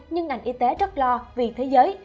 nhưng ngành y tế rất lo vì thế giới